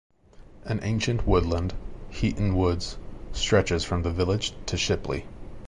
An ancient woodland, Heaton Woods, stretches from the village to Shipley.